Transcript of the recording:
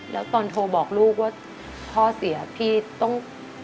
แล้วตอนโทรบอกลูกว่าพ่อเสียพี่ต้อง